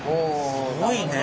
すごいね。